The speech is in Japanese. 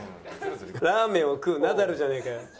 ラーメンを食うナダルじゃねえかよ。